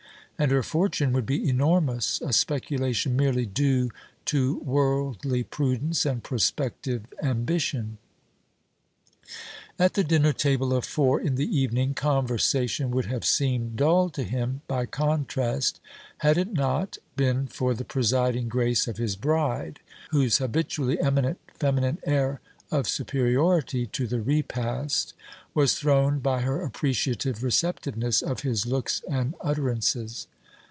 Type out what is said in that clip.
And her fortune would be enormous: a speculation merely due to worldly prudence and prospective ambition. At the dinner table of four, in the evening, conversation would have seemed dull to him, by contrast, had it not, been for the presiding grace of his bride, whose habitually eminent feminine air of superiority to the repast was throned by her appreciative receptiveness of his looks and utterances.